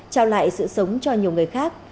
trao lại sự sống cho nhiều người khác